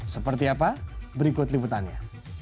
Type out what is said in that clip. seperti apa berikut liputannya